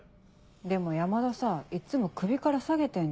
でも山田さいつも首から下げてんじゃん。